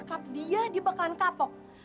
kalau sekap dia dia bakalan kapok